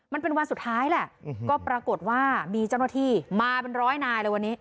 มันเป็นวันสุดท้ายแหละก็ปรากฏว่ามีเจ้าหน้าที่มาเป็นร้อยนายเลยวันนี้